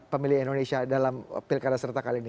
pemilih indonesia dalam pilkada serta kali ini